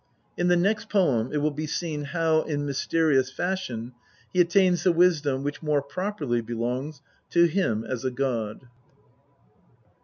In the next poem it will be seen how, in mysterious fashion, he attains the wisdom which more properly belongs to him as a god.